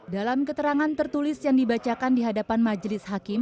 dalam keterangan tertulis yang dibacakan di hadapan majelis hakim